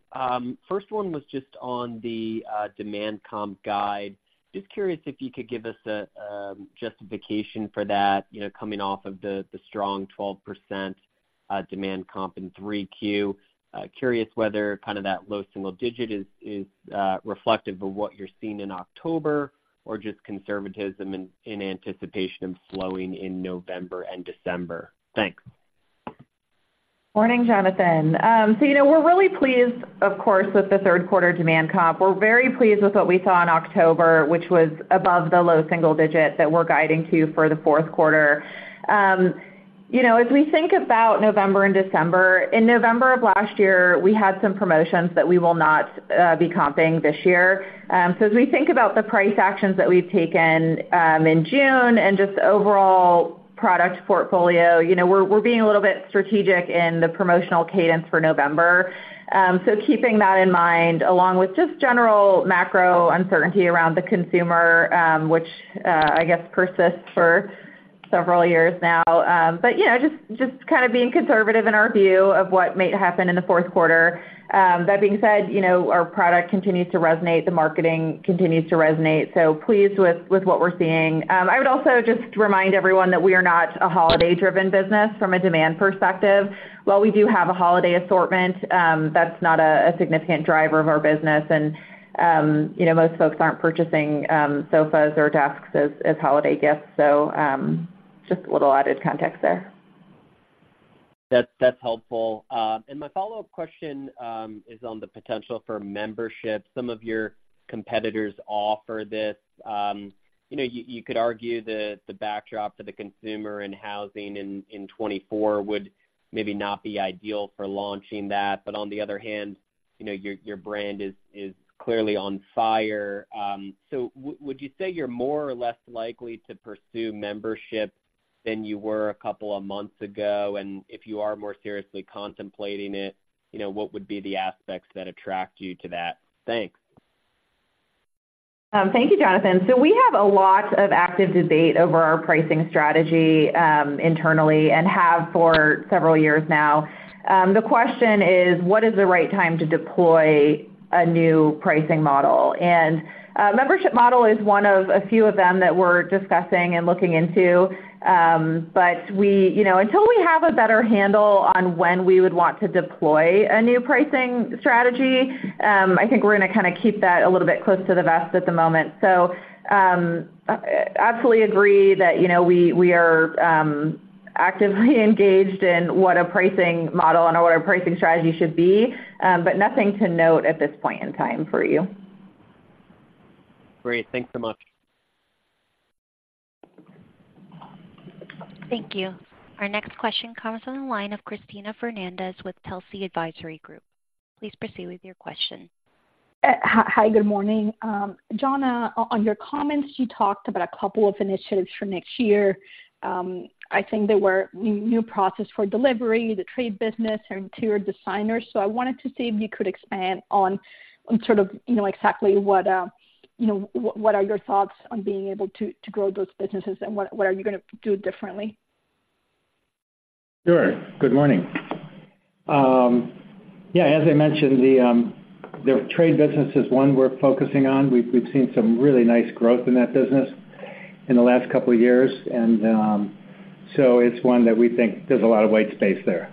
First one was just on the demand comp guide. Just curious if you could give us a justification for that, you know, coming off of the strong 12% demand comp in 3Q. Curious whether kind of that low single digit is reflective of what you're seeing in October, or just conservatism in anticipation of slowing in November and December. Thanks. Morning, Jonathan. So you know, we're really pleased, of course, with the third quarter Demand Comp. We're very pleased with what we saw in October, which was above the low single digit that we're guiding to for the fourth quarter. You know, as we think about November and December, in November of last year, we had some promotions that we will not be comping this year. So as we think about the price actions that we've taken in June and just the overall product portfolio, you know, we're being a little bit strategic in the promotional cadence for November. So keeping that in mind, along with just general macro uncertainty around the consumer, which I guess persists for several years now. But, you know, just kind of being conservative in our view of what might happen in the fourth quarter. That being said, you know, our product continues to resonate, the marketing continues to resonate, so pleased with what we're seeing. I would also just remind everyone that we are not a holiday-driven business from a demand perspective. While we do have a holiday assortment, that's not a significant driver of our business. And, you know, most folks aren't purchasing sofas or desks as holiday gifts. So, just a little added context there. That's helpful. My follow-up question is on the potential for membership. Some of your competitors offer this. You know, you could argue the backdrop for the consumer and housing in 2024 would maybe not be ideal for launching that. But on the other hand, you know, your brand is clearly on fire. So would you say you're more or less likely to pursue membership than you were a couple of months ago? And if you are more seriously contemplating it, you know, what would be the aspects that attract you to that? Thanks. Thank you, Jonathan. We have a lot of active debate over our pricing strategy, internally and have for several years now. The question is, what is the right time to deploy a new pricing model? Membership model is one of a few of them that we're discussing and looking into. But you know, until we have a better handle on when we would want to deploy a new pricing strategy, I think we're gonna kinda keep that a little bit close to the vest at the moment. Absolutely agree that, you know, we are actively engaged in what a pricing model and what a pricing strategy should be, but nothing to note at this point in time for you. Great. Thanks so much. Thank you. Our next question comes on the line of Cristina Fernandez with Telsey Advisory Group. Please proceed with your question. Hi, good morning. John, on your comments, you talked about a couple of initiatives for next year. I think there were new process for delivery, the trade business, and interior designers. So I wanted to see if you could expand on sort of, you know, exactly what, you know, what are your thoughts on being able to grow those businesses, and what are you gonna do differently? Sure. Good morning. Yeah, as I mentioned, the trade business is one we're focusing on. We've seen some really nice growth in that business in the last couple of years, and so it's one that we think there's a lot of white space there.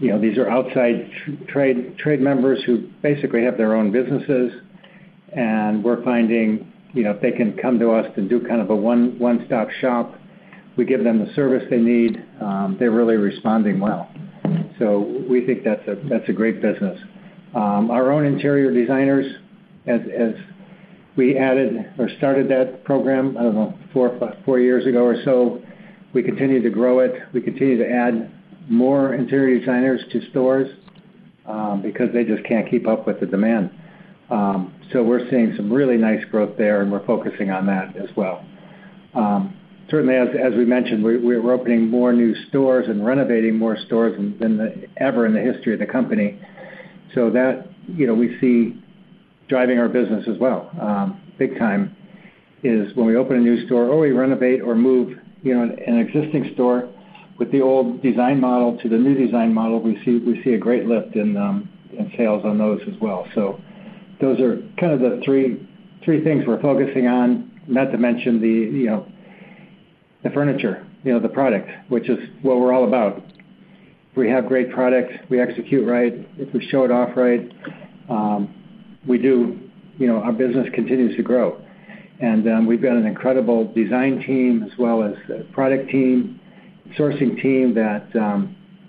You know, these are outside trade members who basically have their own businesses, and we're finding, you know, if they can come to us and do kind of a one-stop shop, we give them the service they need, they're really responding well. So we think that's a great business. Our own interior designers, as we added or started that program, I don't know, four years ago or so, we continue to grow it. We continue to add more interior designers to stores, because they just can't keep up with the demand. So we're seeing some really nice growth there, and we're focusing on that as well. Certainly as, as we mentioned, we're, we're opening more new stores and renovating more stores than ever in the history of the company. So that, you know, we see driving our business as well. Big time is when we open a new store or we renovate or move, you know, an existing store with the old design model to the new design model, we see, we see a great lift in, in sales on those as well. So those are kind of the three, three things we're focusing on, not to mention the, you know, the furniture, you know, the product, which is what we're all about. We have great products. We execute right. If we show it off right, you know, our business continues to grow. We've got an incredible design team as well as a product team, sourcing team that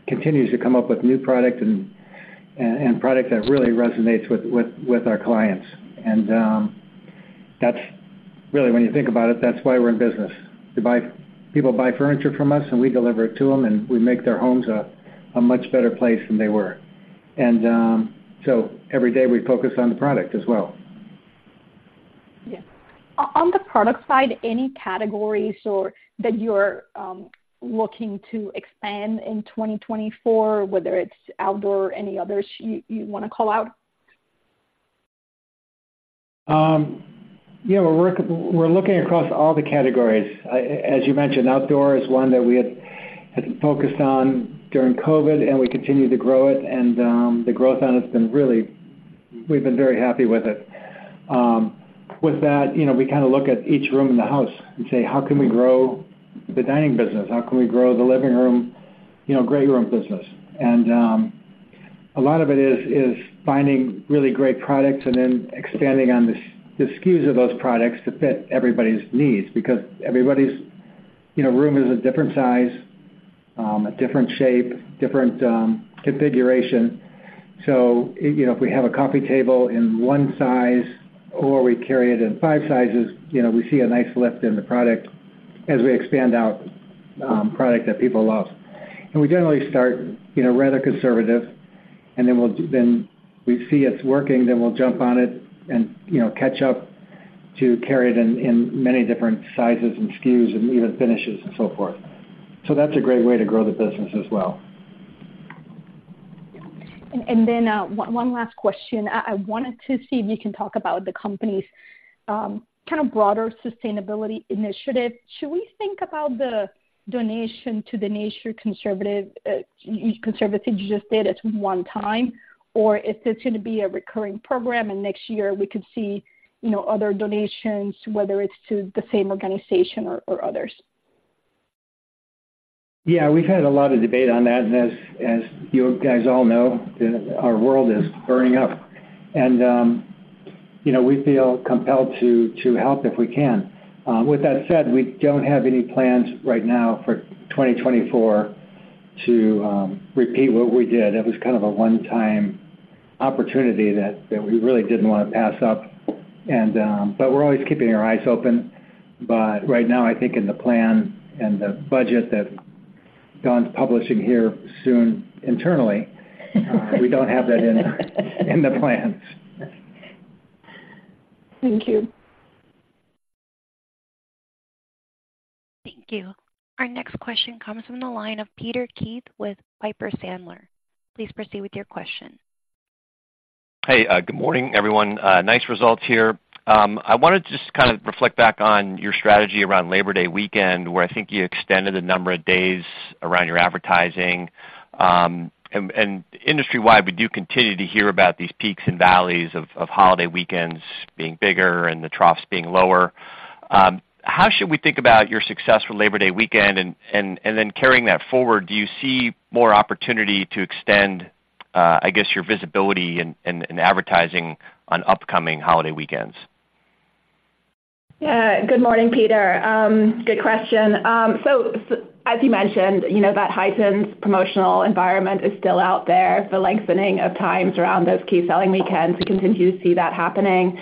continues to come up with new product and product that really resonates with our clients. That's really, when you think about it, that's why we're in business. People buy furniture from us, and we deliver it to them, and we make their homes a much better place than they were. Every day, we focus on the product as well. Yeah. On the product side, any categories that you're looking to expand in 2024, whether it's outdoor or any others you wanna call out? Yeah, we're looking across all the categories. As you mentioned, outdoor is one that we had focused on during COVID, and we continue to grow it, and the growth on it has been really—we've been very happy with it. With that, you know, we kinda look at each room in the house and say: How can we grow the dining business? How can we grow the living room, you know, great room business? A lot of it is finding really great products and then expanding on the SKUs of those products to fit everybody's needs. Because everybody's, you know, room is a different size, a different shape, different configuration. So, you know, if we have a coffee table in one size or we carry it in five sizes, you know, we see a nice lift in the product as we expand out, product that people love. And we generally start, you know, rather conservative, and then we'll, then we see it's working, then we'll jump on it and, you know, catch up to carry it in many different sizes and SKUs and even finishes and so forth. So that's a great way to grow the business as well.... And then one last question. I wanted to see if you can talk about the company's kind of broader sustainability initiative. Should we think about the donation to the Nature Conservancy you just did as one-time, or is this going to be a recurring program, and next year we could see, you know, other donations, whether it's to the same organization or others? Yeah, we've had a lot of debate on that, and as you guys all know, our world is burning up. And, you know, we feel compelled to help if we can. With that said, we don't have any plans right now for 2024 to repeat what we did. That was kind of a one-time opportunity that we really didn't want to pass up, and... But we're always keeping our eyes open. But right now, I think in the plan and the budget that Dawn's publishing here soon internally, we don't have that in the plans. Thank you. Thank you. Our next question comes from the line of Peter Keith with Piper Sandler. Please proceed with your question. Hey, good morning, everyone. Nice results here. I wanted to just kind of reflect back on your strategy around Labor Day weekend, where I think you extended the number of days around your advertising. And industry-wide, we do continue to hear about these peaks and valleys of holiday weekends being bigger and the troughs being lower. How should we think about your success for Labor Day weekend? And then carrying that forward, do you see more opportunity to extend, I guess, your visibility in advertising on upcoming holiday weekends? Yeah. Good morning, Peter. Good question. So as you mentioned, you know, that heightened promotional environment is still out there. The lengthening of times around those key selling weekends, we continue to see that happening.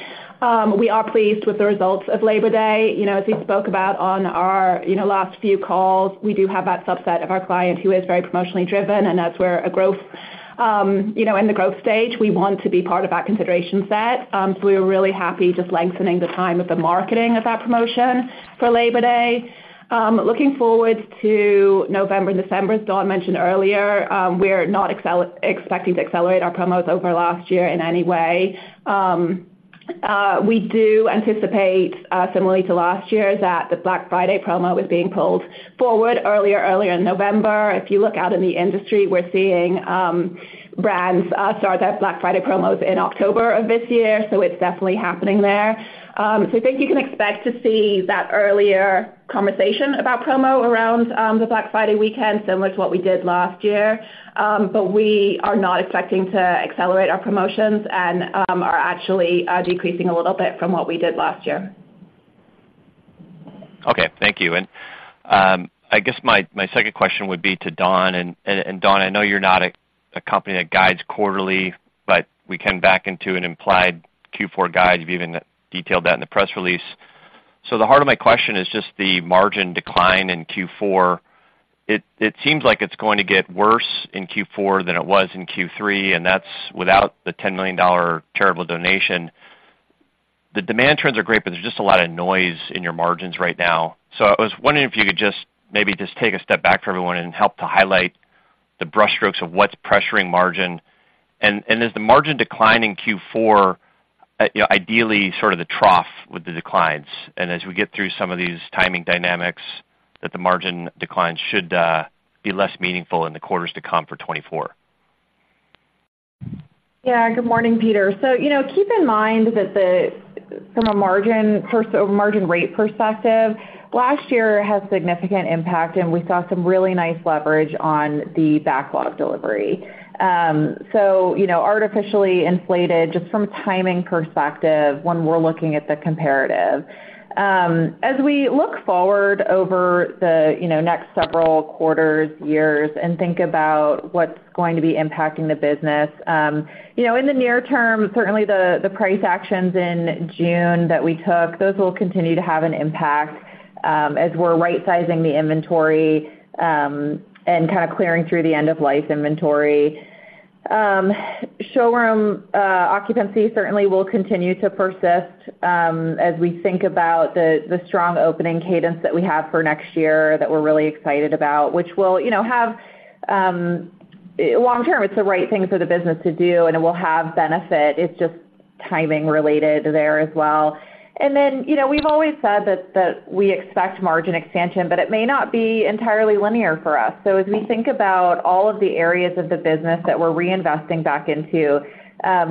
We are pleased with the results of Labor Day. You know, as we spoke about on our, you know, last few calls, we do have that subset of our client who is very promotionally driven, and that's where, you know, in the growth stage, we want to be part of that consideration set. So we were really happy just lengthening the time of the marketing of that promotion for Labor Day. Looking forward to November and December, as Dawn mentioned earlier, we're not expecting to accelerate our promos over last year in any way. We do anticipate, similarly to last year, that the Black Friday promo is being pulled forward earlier in November. If you look out in the industry, we're seeing brands start their Black Friday promos in October of this year, so it's definitely happening there. So I think you can expect to see that earlier conversation about promo around the Black Friday weekend, similar to what we did last year. But we are not expecting to accelerate our promotions and are actually decreasing a little bit from what we did last year. Okay. Thank you. And I guess my second question would be to Dawn. And Dawn, I know you're not a company that guides quarterly, but we came back into an implied Q4 guide. You've even detailed that in the press release. So the heart of my question is just the margin decline in Q4. It seems like it's going to get worse in Q4 than it was in Q3, and that's without the $10 million charitable donation. The demand trends are great, but there's just a lot of noise in your margins right now. So I was wondering if you could just maybe take a step back for everyone and help to highlight the brushstrokes of what's pressuring margin. Is the margin decline in Q4, you know, ideally sort of the trough with the declines, and as we get through some of these timing dynamics, that the margin declines should be less meaningful in the quarters to come for 24? Yeah. Good morning, Peter. So, you know, keep in mind that the, from a margin rate perspective, last year had significant impact, and we saw some really nice leverage on the backlog delivery. So, you know, artificially inflated just from a timing perspective when we're looking at the comparative. As we look forward over the, you know, next several quarters, years, and think about what's going to be impacting the business, you know, in the near term, certainly the, the price actions in June that we took, those will continue to have an impact, as we're right-sizing the inventory, and kind of clearing through the end-of-life inventory. Showroom occupancy certainly will continue to persist, as we think about the strong opening cadence that we have for next year, that we're really excited about, which will, you know, have long term, it's the right thing for the business to do, and it will have benefit. It's just timing related there as well. And then, you know, we've always said that we expect margin expansion, but it may not be entirely linear for us. So as we think about all of the areas of the business that we're reinvesting back into,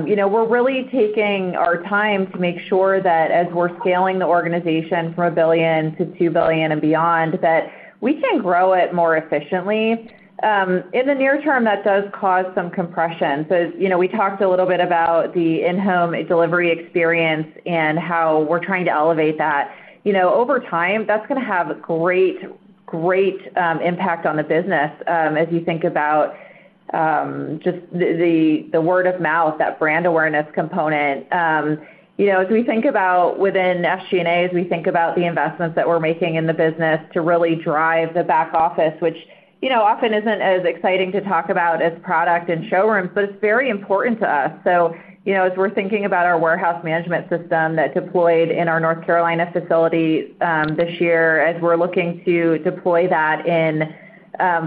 you know, we're really taking our time to make sure that as we're scaling the organization from $1 billion - $2 billion and beyond, that we can grow it more efficiently. In the near term, that does cause some compression. So, you know, we talked a little bit about the in-home delivery experience and how we're trying to elevate that. You know, over time, that's gonna have a great, great, impact on the business, as you think about, just the word of mouth, that brand awareness component. You know, as we think about within SG&A, as we think about the investments that we're making in the business to really drive the back office, which, you know, often isn't as exciting to talk about as product and showrooms, but it's very important to us. So, you know, as we're thinking about our warehouse management system that deployed in our North Carolina facility, this year, as we're looking to deploy that in-...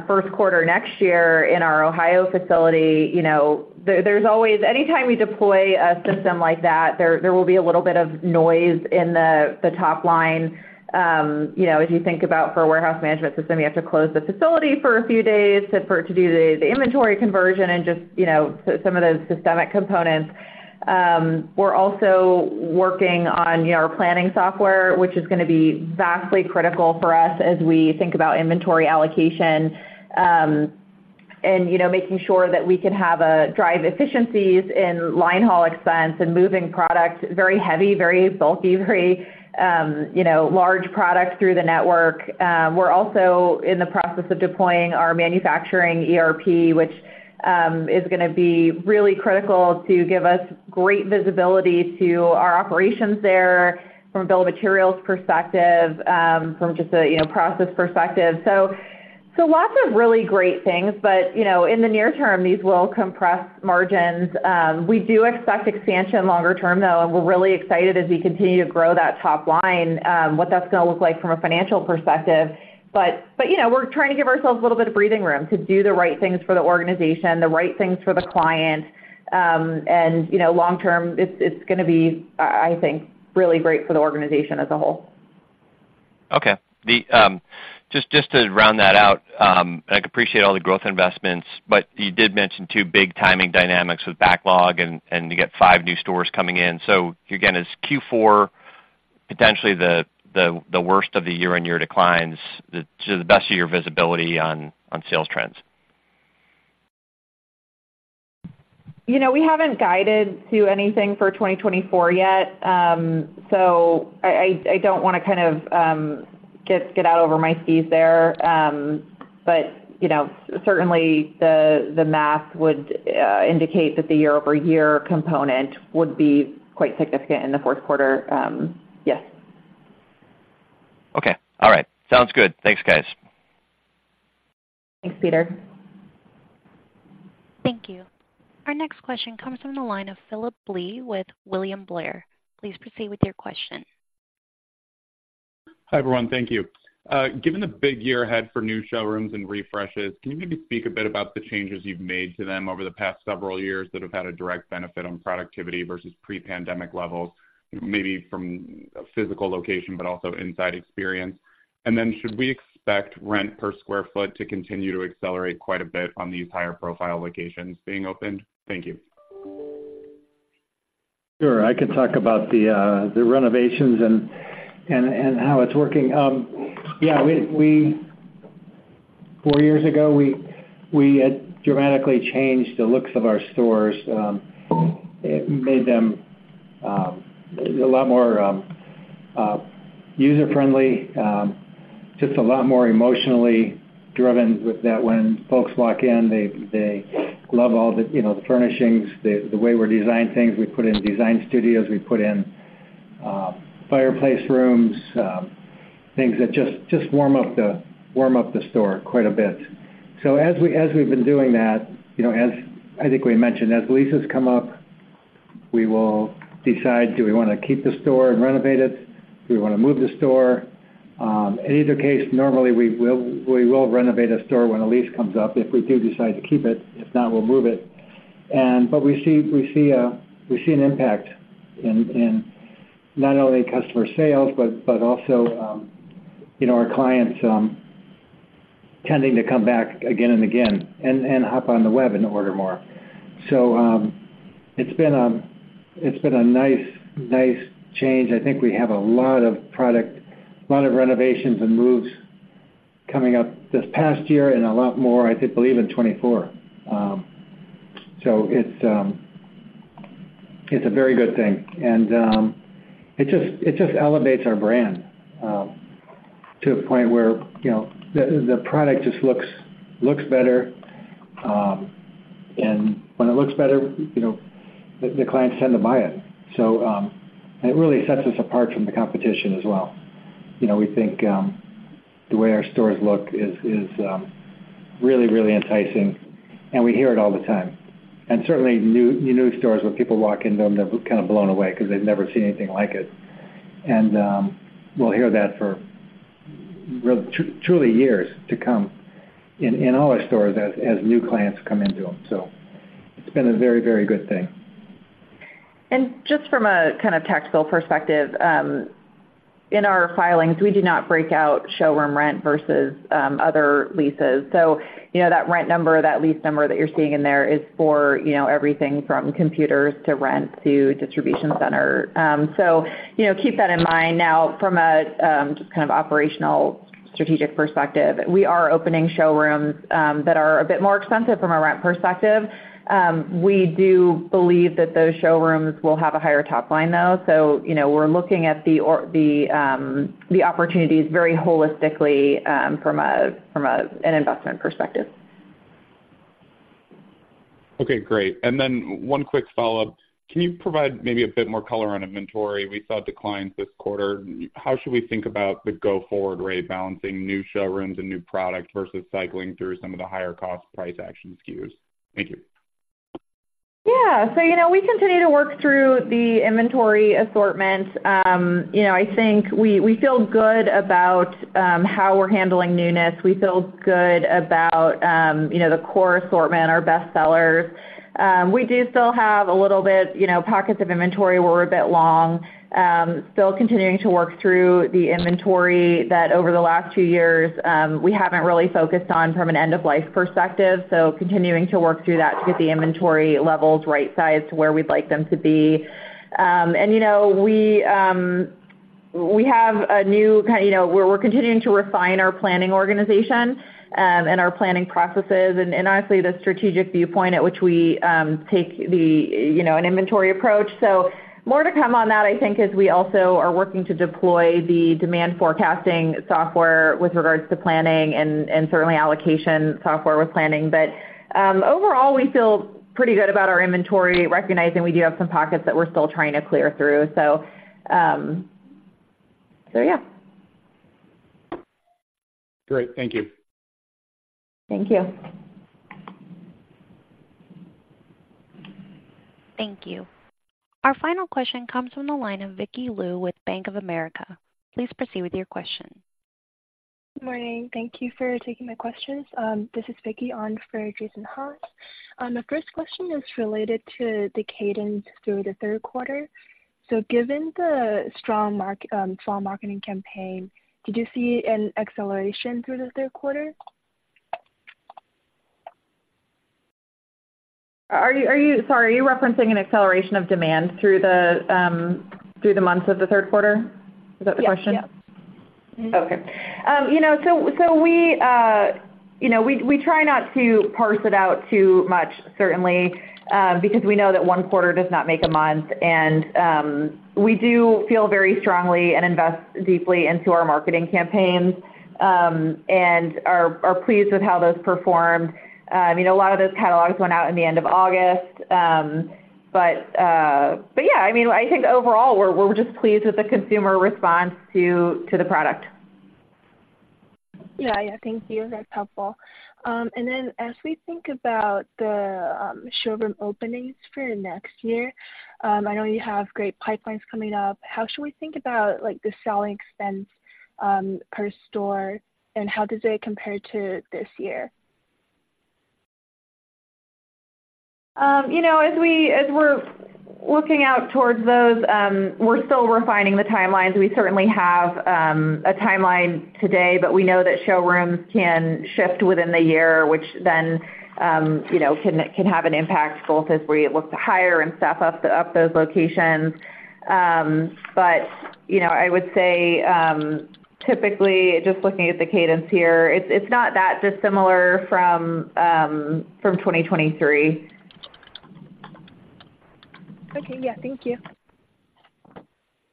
First quarter next year in our Ohio facility, you know, there's always—anytime we deploy a system like that, there will be a little bit of noise in the top line. You know, as you think about for a warehouse management system, you have to close the facility for a few days to, for it to do the inventory conversion and just, you know, so some of those systemic components. We're also working on our planning software, which is gonna be vastly critical for us as we think about inventory allocation, and, you know, making sure that we can have a drive efficiencies in line haul expense and moving product, very heavy, very bulky, very, you know, large products through the network. We're also in the process of deploying our manufacturing ERP, which is gonna be really critical to give us great visibility to our operations there from a bill of materials perspective, from just a, you know, process perspective. So lots of really great things, but, you know, in the near term, these will compress margins. We do expect expansion longer term, though, and we're really excited as we continue to grow that top line, what that's gonna look like from a financial perspective. But, you know, we're trying to give ourselves a little bit of breathing room to do the right things for the organization, the right things for the client. And, you know, long term, it's gonna be, I think, really great for the organization as a whole. Okay. Just to round that out, I appreciate all the growth investments, but you did mention two big timing dynamics with backlog and you get 5 new stores coming in. So again, is Q4 potentially the worst of the year-on-year declines, to the best of your visibility on sales trends? You know, we haven't guided to anything for 2024 yet. So I don't wanna kind of get out over my skis there. But you know, certainly the math would indicate that the year-over-year component would be quite significant in the fourth quarter, yes. Okay, all right. Sounds good. Thanks, guys. Thanks, Peter. Thank you. Our next question comes from the line of Phillip Blee with William Blair. Please proceed with your question. Hi, everyone. Thank you. Given the big year ahead for new showrooms and refreshes, can you maybe speak a bit about the changes you've made to them over the past several years that have had a direct benefit on productivity versus pre-pandemic levels, maybe from a physical location, but also inside experience? And then, should we expect rent per square foot to continue to accelerate quite a bit on these higher-profile locations being opened? Thank you. Sure. I could talk about the renovations and how it's working. Yeah, we four years ago, we had dramatically changed the looks of our stores. It made them a lot more user-friendly, just a lot more emotionally driven, with that when folks walk in, they love all the, you know, the furnishings, the way we're designing things. We put in design studios, we put in fireplace rooms, things that just warm up the store quite a bit. So as we, as we've been doing that, you know, as I think we mentioned, as leases come up, we will decide, do we wanna keep the store and renovate it? Do we wanna move the store? In either case, normally, we will renovate a store when a lease comes up, if we do decide to keep it. If not, we'll move it. And we see an impact in not only customer sales, but also, you know, our clients tending to come back again and again, and hop on the web and order more. So, it's been a nice change. I think we have a lot of product, a lot of renovations and moves coming up this past year and a lot more, I did believe, in 24. So it's a very good thing. And it just elevates our brand to a point where, you know, the product just looks better. And when it looks better, you know, the clients tend to buy it. So, and it really sets us apart from the competition as well. You know, we think, the way our stores look is really, really enticing, and we hear it all the time. And certainly, new stores, when people walk into them, they're kind of blown away because they've never seen anything like it. And, we'll hear that for truly years to come in all our stores as new clients come into them. So it's been a very, very good thing. Just from a kind of tactical perspective, in our filings, we do not break out showroom rent versus other leases. So you know, that rent number, that lease number that you're seeing in there is for, you know, everything from computers to rent to distribution center. So, you know, keep that in mind. Now, from a just kind of operational strategic perspective, we are opening showrooms that are a bit more expensive from a rent perspective. We do believe that those showrooms will have a higher top line, though. So, you know, we're looking at the opportunities very holistically, from an investment perspective. Okay, great. Then one quick follow-up: Can you provide maybe a bit more color on inventory? We saw it declined this quarter. How should we think about the go-forward rate, balancing new showrooms and new products versus cycling through some of the higher-cost price action SKUs? Thank you. ... Yeah, so, you know, we continue to work through the inventory assortment. You know, I think we feel good about how we're handling newness. We feel good about, you know, the core assortment, our best sellers. We do still have a little bit, you know, pockets of inventory where we're a bit long. Still continuing to work through the inventory that over the last two years, we haven't really focused on from an end-of-life perspective. So continuing to work through that to get the inventory levels right-sized to where we'd like them to be. And, you know, we have a new kind, you know, we're continuing to refine our planning organization, and our planning processes and, honestly, the strategic viewpoint at which we take the, you know, an inventory approach. So more to come on that, I think, as we also are working to deploy the demand forecasting software with regards to planning and certainly allocation software with planning. But, overall, we feel pretty good about our inventory, recognizing we do have some pockets that we're still trying to clear through. So, so yeah. Great. Thank you. Thank you. Thank you. Our final question comes from the line of Vicky Liu with Bank of America. Please proceed with your question. Good morning. Thank you for taking my questions. This is Vicky Liu on for Jason Haas. The first question is related to the cadence through the third quarter. So given the strong start to the fall marketing campaign, did you see an acceleration through the third quarter? Sorry, are you referencing an acceleration of demand through the months of the third quarter? Is that the question? Yes. Yep. Okay. You know, so we try not to parse it out too much, certainly, because we know that one quarter does not make a month. And we do feel very strongly and invest deeply into our marketing campaigns, and are pleased with how those performed. I mean, a lot of those catalogs went out in the end of August. But yeah, I mean, I think overall, we're just pleased with the consumer response to the product. Yeah. Yeah. Thank you. That's helpful. And then as we think about the showroom openings for next year, I know you have great pipelines coming up. How should we think about, like, the selling expense per store, and how does it compare to this year? You know, as we're looking out towards those, we're still refining the timelines. We certainly have a timeline today, but we know that showrooms can shift within the year, which then, you know, can have an impact both as we look to hire and staff up those locations. But, you know, I would say, typically, just looking at the cadence here, it's not that dissimilar from 2023. Okay. Yeah. Thank you.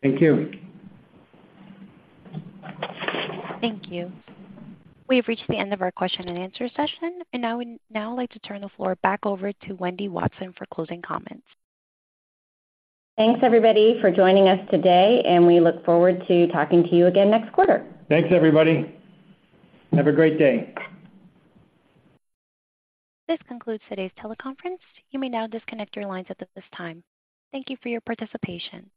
Thank you. Thank you. We've reached the end of our question and answer session, and I would now like to turn the floor back over to Wendy Watson for closing comments. Thanks, everybody, for joining us today, and we look forward to talking to you again next quarter. Thanks, everybody. Have a great day. This concludes today's teleconference. You may now disconnect your lines at this time. Thank you for your participation.